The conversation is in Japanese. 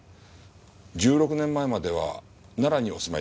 １６年前までは奈良にお住まいでしたね。